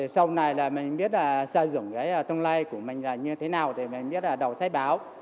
sau này là mình biết xây dựng cái tương lai của mình như thế nào thì mình biết đầu sai báo